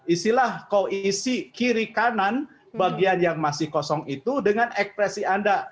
istilah koisi kiri kanan bagian yang masih kosong itu dengan ekspresi anda